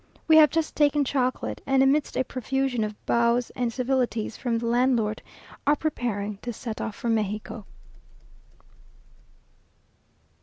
We have just taken chocolate, and, amidst a profusion of bows and civilities from the landlord, are preparing to set off for Mexico.